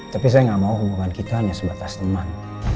tapi saya nggak mau hubungan kita hanya sebatas teman